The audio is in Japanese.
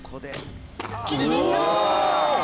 決めてきたー！